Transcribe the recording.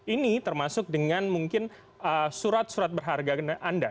ini termasuk dengan mungkin surat surat berharga anda